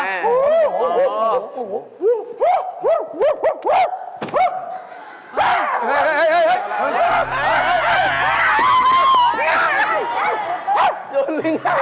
หยุดลิง